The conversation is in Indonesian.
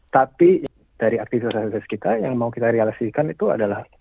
tapi dari aktivitas aktivitas kita yang mau kita realasikan itu adalah